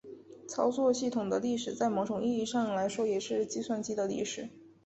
操作系统的历史在某种意义上来说也是计算机的历史。